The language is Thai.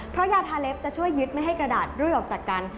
เพราะยาทาเล็บจะช่วยยึดไม่ให้กระดาษร่ออกจากกัน